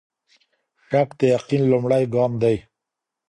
شک د يقين لومړی ګام دی.